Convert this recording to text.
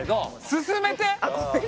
進めて！